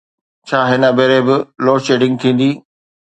ڇا هن ڀيري به لوڊشيڊنگ ٿيندي؟